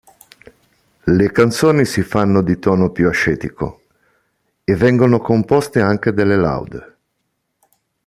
Le canzoni si fanno di tono più ascetico, e vengono composte anche delle laude.